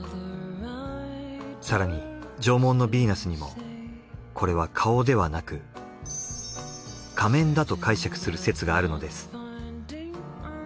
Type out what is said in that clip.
更に『縄文のビーナス』にもこれは顔ではなく仮面だと解釈する説があるのです。